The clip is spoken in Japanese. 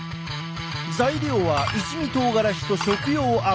材料は一味とうがらしと食用油。